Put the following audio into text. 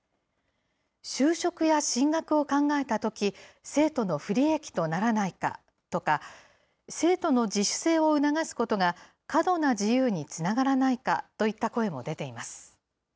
就職や進学を考えたとき、生徒の不利益とならないかとか、生徒の自主性を促すことが過度な自由につながらないかといった声も出ています。